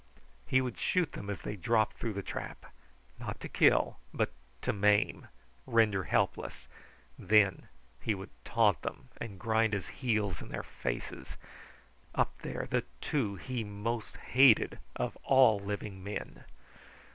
He would shoot them as they dropped through the trap. Not to kill, but to maim, render helpless; then he would taunt them and grind his heels in their faces. Up there, the two he most hated of all living men!